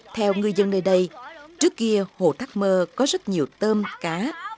theo ngư dân nơi đây trước kia hồ thác mơ có rất nhiều tôm cá